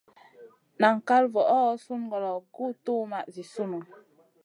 Nan kal voo sùn ŋolo guʼ tuwmaʼ Zi sunu.